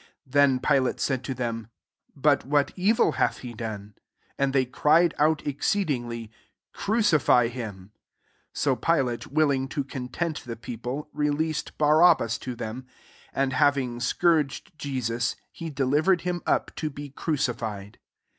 14 Then Pilate said to them, " But what evil hath he done ?*' And they cried out exceeding ly, " Crucify him.'' 15 So Pi late, willing to content the peo ple> released Barabbas to them ; and, having scourged Jesus, he delivered him up to be cruci Qed.